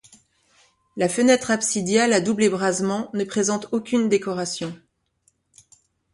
La fenêtre absidiale à double ébrasement ne présente aucune décoration.